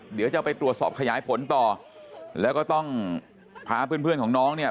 เดี๋ยวจะไปตรวจสอบขยายผลต่อแล้วก็ต้องพาเพื่อนเพื่อนของน้องเนี่ย